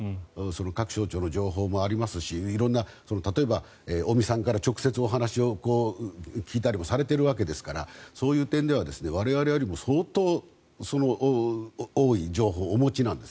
各省庁の情報もありますし例えば尾身さんから直接お話を聞いたりもされているわけですからそういう点では我々よりも相当多い情報をお持ちなんです。